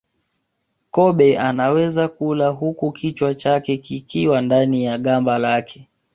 Kobe anaweza kula huku kichwa chake kikiwa ndani ya gamba lake